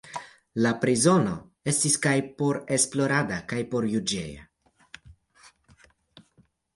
La prizono estis kaj poresplorada kaj porjuĝeja.